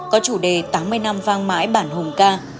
có chủ đề tám mươi năm vang mãi bản hùng ca